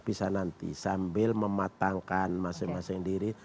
bisa nanti sambil mematangkan masing masing diri